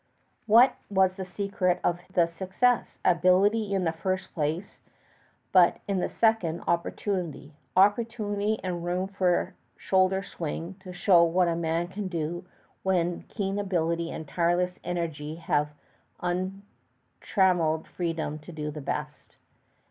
What was the secret of the success? Ability in the first place, but in the second, opportunity; opportunity and room for shoulder swing to show what a man can do when keen ability and tireless energy have untrammeled freedom to do their best.